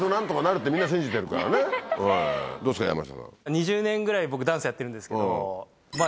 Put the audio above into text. ２０年ぐらい僕ダンスやってるんですけどまぁ。